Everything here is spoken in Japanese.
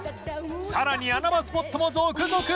さらに穴場スポットも続々！